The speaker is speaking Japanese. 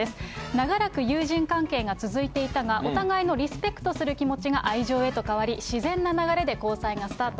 長らく友人関係が続いていたが、お互いのリスペクトする気持ちが愛情へと変わり、自然な流れで交際がスタート。